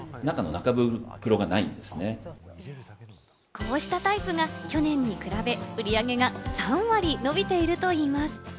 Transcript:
こうしたタイプが去年に比べ、売り上げが３割伸びているといいます。